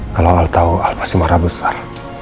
kalau al tahu al pasti marah besar